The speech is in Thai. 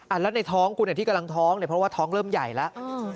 แล้วในท้องคุณที่กำลังท้องเนี่ยเพราะว่าท้องเริ่มใหญ่แล้ว